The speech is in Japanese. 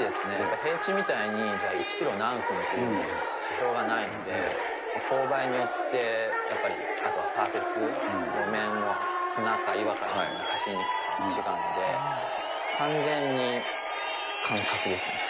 平地みたいにじゃあ、１キロ何分っていうような指標がないので、勾配によって、やっぱりあとはサーフェス、路面も、砂か岩かでも走りにくさが違うので、完全に感覚ですね。